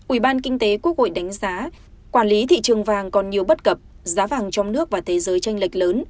ủy ban kinh tế quốc hội đánh giá quản lý thị trường vàng còn nhiều bất cập giá vàng trong nước và thế giới tranh lệch lớn